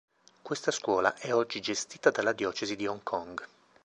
Questa scuola è oggi gestita dalla diocesi di Hong Kong.